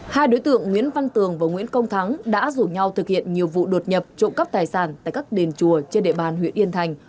hai đối tượng nguyễn văn tường và nguyễn công thắng đã rủ nhau thực hiện nhiều vụ đột nhập trộm cắp tài sản tại các đền chùa trên địa bàn huyện yên thành